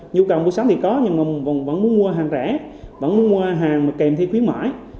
nhiều cầu mua sắm thì có nhưng vẫn muốn mua hàng rẻ vẫn muốn mua hàng kèm thêm khuyến mại